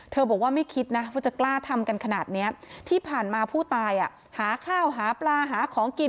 บอกว่าไม่คิดนะว่าจะกล้าทำกันขนาดนี้ที่ผ่านมาผู้ตายอ่ะหาข้าวหาปลาหาของกิน